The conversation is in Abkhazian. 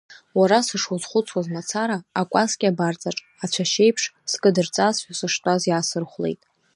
Уара сышузхәыцуаз мацара, акәасқьа абарҵаҿ ацәашьеиԥш скыдырҵазшәа сыштәаз иаасырхәлеит.